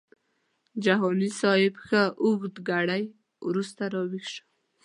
جهاني صاحب ښه اوږد ګړی وروسته راویښ شو.